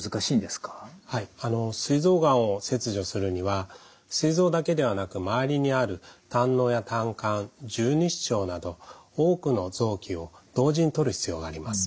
すい臓がんを切除するにはすい臓だけではなく周りにある胆のうや胆管十二指腸など多くの臓器を同時に取る必要があります。